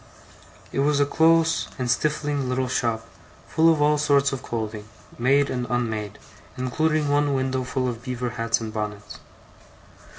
It was a close and stifling little shop; full of all sorts of clothing, made and unmade, including one window full of beaver hats and bonnets.